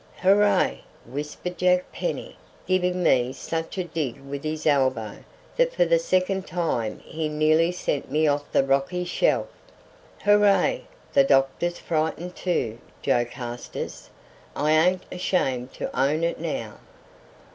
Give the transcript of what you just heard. "Hooray!" whispered Jack Penny, giving me such a dig with his elbow that for the second time he nearly sent me off the rocky shelf. "Hooray! the doctor's frightened too, Joe Carstairs. I ain't ashamed to own it now."